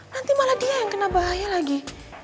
nanti malah dia yang kena bahaya lagi